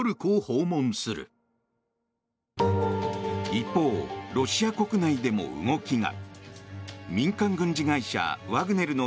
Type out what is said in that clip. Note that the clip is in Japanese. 一方、ロシア国内でも動きが。